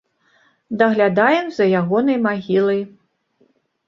Даглядаем за ягонай магілай.